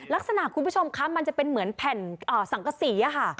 คุณผู้ชมคะมันจะเป็นเหมือนแผ่นสังกษีค่ะ